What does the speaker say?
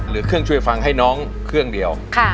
เครื่องช่วยฟังให้น้องเครื่องเดียว